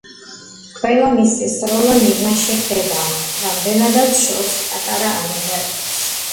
ყველა მისი სროლა მიზანში ხვდება, რამდენადაც შორს და პატარა არ უნდა იყოს.